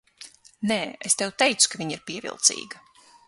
Nē, es tev teicu, ka viņa ir pievilcīga.